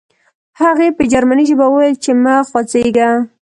هغې په جرمني ژبه وویل چې مه خوځېږه